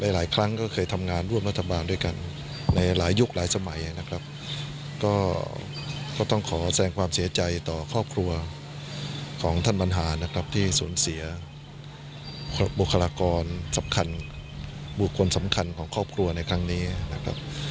หลายครั้งก็เคยทำงานร่วมรัฐบาลด้วยกันในหลายยุคหลายสมัยนะครับก็ต้องขอแสงความเสียใจต่อครอบครัวของท่านบรรหานะครับที่สูญเสียบุคลากรสำคัญบุคคลสำคัญของครอบครัวในครั้งนี้นะครับ